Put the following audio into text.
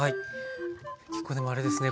結構でもあれですね